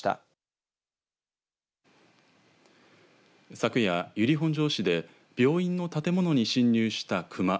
昨夜、由利本荘市で病院の建物に侵入した熊。